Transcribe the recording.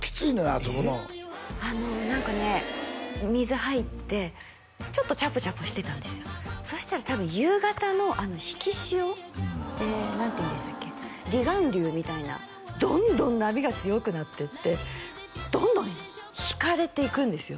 あそこのあの何かね水入ってちょっとチャプチャプしてたんですよそしたら多分夕方の引き潮何ていうんでしたっけ離岸流みたいなどんどん波が強くなっていってどんどんひかれていくんですよ